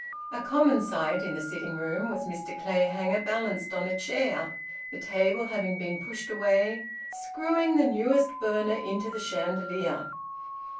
A common sight in the sitting room was Mr Clayhanger balanced on a chair, the table having been pushed away, screwing the newest burner into the chandelier.